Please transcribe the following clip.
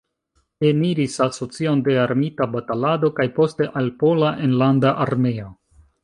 Eniris Asocion de Armita Batalado, kaj poste al Pola Enlanda Armeo.